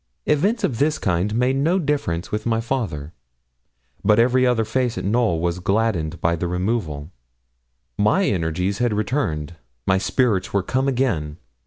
Events of this kind made no difference with my father; but every other face in Knowl was gladdened by the removal. My energies had returned, my spirits were come again.